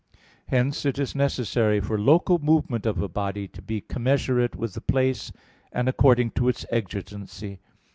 Hence it is necessary for local movement of a body to be commensurate with the place, and according to its exigency.